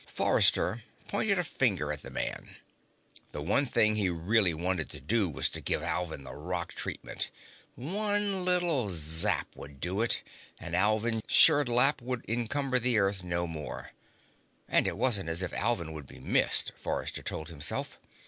Forrester pointed a finger at the man. The one thing he really wanted to do was to give Alvin the rock treatment. One little zap would do it, and Alvin Sherdlap would encumber the Earth no more. And it wasn't as if Alvin would be missed, Forrester told himself.